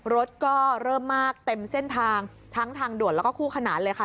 รถก็เริ่มมากเต็มเส้นทางทั้งทางด่วนแล้วก็คู่ขนานเลยค่ะ